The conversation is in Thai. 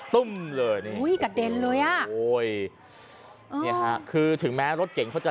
ตุ้มเลยนี่อุ้ยกระเด็นเลยอ่ะโอ้ยเนี่ยฮะคือถึงแม้รถเก่งเขาจะ